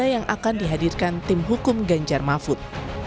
yang akan dihadirkan tim hukum ganjar mahfud